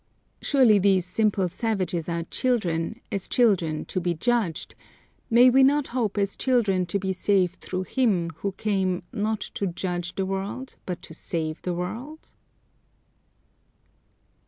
Surely these simple savages are children, as children to be judged; may we not hope as children to be saved through Him who came "not to judge the world, but to save the world"?